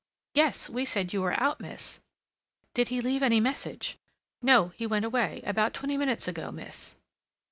"Yes. We said you were out, miss." "Did he leave any message?" "No. He went away. About twenty minutes ago, miss."